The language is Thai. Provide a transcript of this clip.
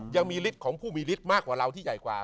ยังมีฤทธิ์ของผู้มีฤทธิ์มากกว่าเราที่ใหญ่กว่า